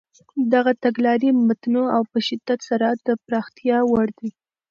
دغه تګلارې متنوع او په شدت سره د پراختیا وړ دي.